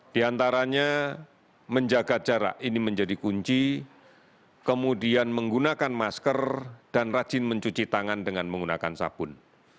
di antaranya menjaga jarak ini menjadi kunci kemudian menggunakan masker dan rajin mencuci tangan dengan menggunakan sabun